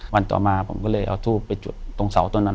วันต่อมาผมก็เลยเอาทูบไปจุดตรงเสาต้นนั้น